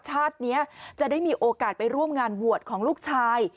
ชาตินี้จะได้มีโอกาสไปร่วมงานบวชของลูกชาย